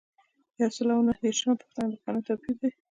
یو سل او نهه دیرشمه پوښتنه د قانون توپیر دی.